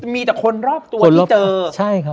มีแต่คนรอบตัวที่เจอ